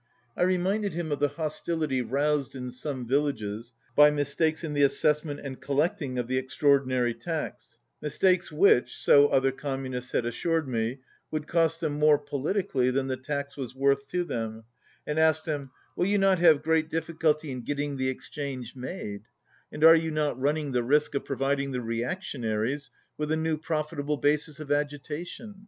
I reminded him of the hostility roused in some villages by mistakes in the assessment and collect ing of the Extraordinary Tax, mistakes which (so other Communists had assured me) would cost them more, politically, than the tax was worth to them, and asked him, "Will you not have great difficulty in getting the exchange made, and are you not running the risk of providing the reaction aries with a new profitable basis of agitation?"